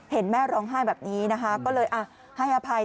เห็นแม่ร้องไห้แบบนี้นะคะก็เลยให้อภัย